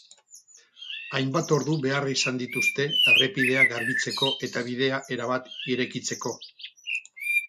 Hainbat ordu behar izan dituzte errepidea garbitzeko eta bidea erabat irekitzeko.